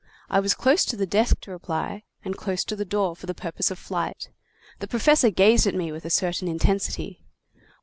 I was close to the desk to reply, and close to the door for the purpose of flight. The professor gazed at me with a certain intensity.